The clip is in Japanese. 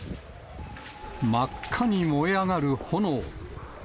真っ赤に燃え上がる炎。